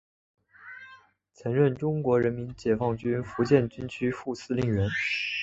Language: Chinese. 曾任中国人民解放军福建军区副司令员。